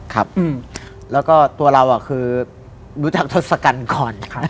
ครับแล้วก็ตัวเราคือรู้จักทศกัณฐ์ก่อนครับ